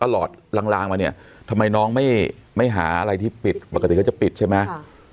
หลาดลางมาเนี่ยทำไมน้องไม่หาอะไรที่ปิดปกติเขาจะปิดใช่ไหม